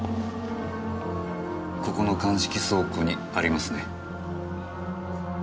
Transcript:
ここの鑑識倉庫にありますね。